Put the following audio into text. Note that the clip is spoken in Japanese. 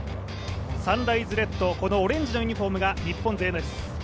サンライズレッド、オレンジのユニフォームが日本勢です。